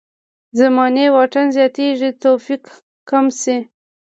زماني واټن زیاتېږي توفیق کم شي.